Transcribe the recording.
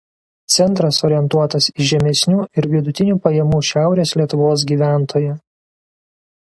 Centras orientuotas į žemesnių ir vidutinių pajamų Šiaurės Lietuvos gyventoją.